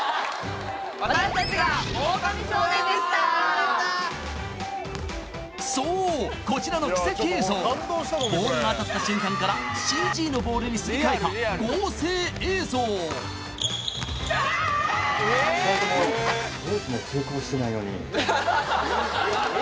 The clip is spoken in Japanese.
私たちがオオカミ少年でしたそうこちらの奇跡映像ボールが当たった瞬間からＣＧのボールにすり替えた合成映像イエーイ！